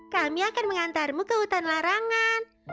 kami akan mengantarmu ke hutan larangan